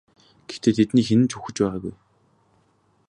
Гэхдээ тэдний хэн нь ч үхэж байгаагүй.